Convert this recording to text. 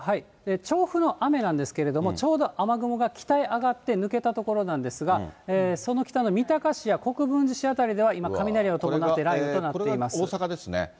調布の雨なんですけれども、ちょうど雨雲が北へ上がって、抜けたところなんですが、その北の三鷹市や国分寺市辺りでは今、これは大阪ですね。